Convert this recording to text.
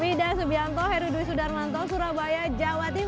widah subianto herudwi sudarmantho surabaya jawa timur